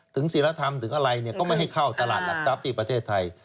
ศิลธรรมถึงอะไรก็ไม่ให้เข้าตลาดหลักทรัพย์ที่ประเทศไทย